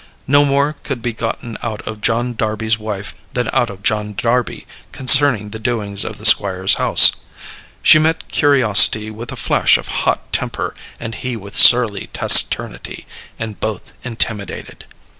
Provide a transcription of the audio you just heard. No more could be gotten out of John Darby's wife than out of John Darby concerning the doings at the Squire's house. She met curiosity with a flash of hot temper, and he with surly taciturnity, and both intimidated.